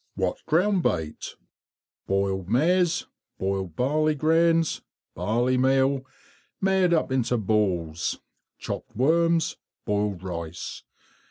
What ground bait_? Boiled maize, boiled barley grains, barley meal made up into balls, chopped worms, boiled rice.